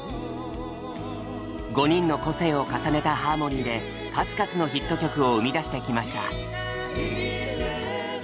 ５人の個性を重ねたハーモニーで数々のヒット曲を生み出してきました。